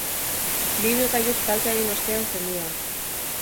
Bi ibilgailuk talka egin ostean zendu da.